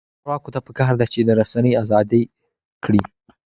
چارواکو ته پکار ده چې، رسنۍ ازادې کړي.